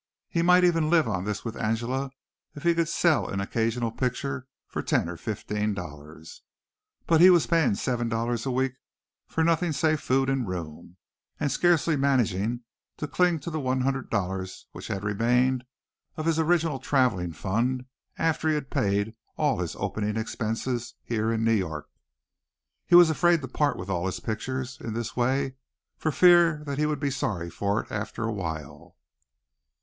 He might even live on this with Angela if he could sell an occasional picture for ten or fifteen dollars. But he was paying seven dollars a week for nothing save food and room, and scarcely managing to cling to the one hundred dollars which had remained of his original traveling fund after he had paid all his opening expenses here in New York. He was afraid to part with all his pictures in this way for fear he would be sorry for it after a while.